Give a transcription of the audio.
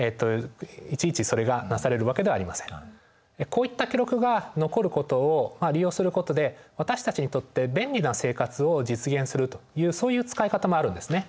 こういった記録が残ることを利用することで私たちにとって便利な生活を実現するというそういう使い方もあるんですね。